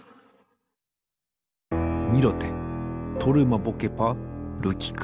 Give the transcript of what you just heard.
ミロテトルマボケパルキク。